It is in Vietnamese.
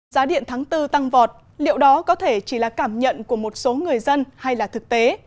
giá điện tháng bốn tăng vọt liệu đó có thể chỉ là cảm nhận của một số người dân hay là thực tế